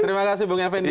terima kasih bung effendi